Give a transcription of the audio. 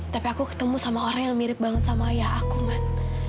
tapi aku ketemu sama orang yang mirip banget sama ayah aku man